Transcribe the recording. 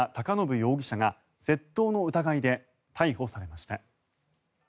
容疑者が窃盗の疑いで逮捕されました。